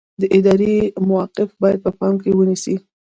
د ادارې موقف باید په پام کې ونیسئ.